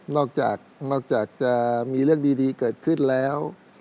นอกจากนอกจากจะมีเรื่องดีเกิดขึ้นแล้ว